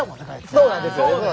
そうなんですよ。